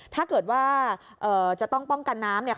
ถ้าเกิดว่าจะต้องป้องกันน้ำ